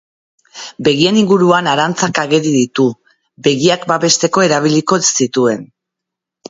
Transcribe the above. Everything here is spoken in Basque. Begien inguruan arantzak ageri ditu, begiak babesteko erabiliko zituen.